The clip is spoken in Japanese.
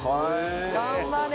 頑張れ。